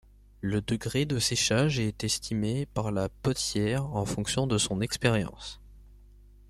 Le degré de séchage est estimé par la potière en fonction de son expérience.